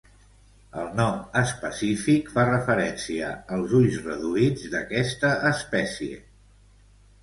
El nom específic fa referència als ulls reduïts d'aquesta espècie.